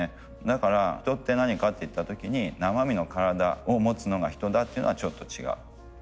だから人って何かっていった時に生身の体を持つのが人だっていうのはちょっと違う。